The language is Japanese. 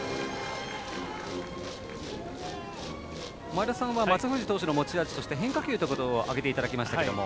前田さんは松藤投手の持ち味として変化球ということを挙げていただきましたが。